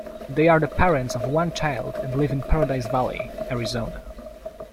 They are the parents of one child and live in Paradise Valley, Arizona.